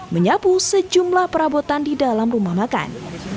menyapu sejumlah perabotan di dalam rumah makan